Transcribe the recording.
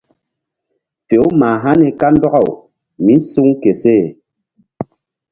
Fe-u mah hani kandɔkaw mí suŋ ke seh.